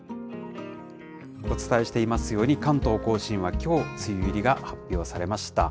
お伝えしていますように、関東甲信はきょう、梅雨入りが発表されました。